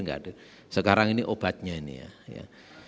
enggak hadir sekarang ini obatnya ini ya